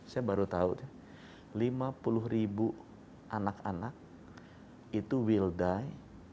saya baru tahu lima puluh ribu anak anak itu will die